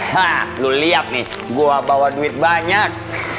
hah lu liat nih gua bawa duit banyak